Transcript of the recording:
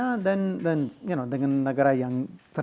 punya potensinya dan dengan negara yang